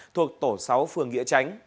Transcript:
thuộc tổ sáu phường nghĩa tránh